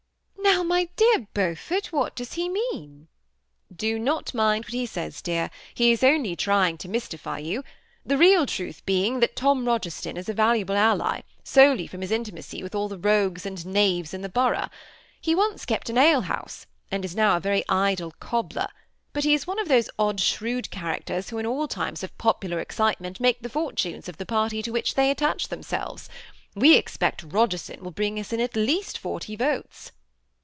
" Now, m J dear Beaufort, what does he mean ?" ^Do not mind what he sajs, dear; he is onlj trjing to mjstifj jou ; the real truth being, thatToni Rogerson if a valuable allj, solelj from his intimacj with all the rogues and knaves in the borough. He once kept an ale house, and is now a verj idle cobbler ; but he is one of those odd, shrewd characters who in all times of popular excitement make the fortunes of the partj to which thej attach themselves. We expect Rogerson will bring us in at least fortj votes."